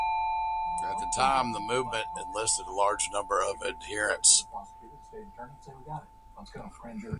At that time, the movement enlisted a large number of adherents.